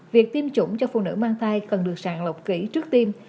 việc tiêm chủng cho phụ nữ mang thai cần được sàng lọc kỹ trước tim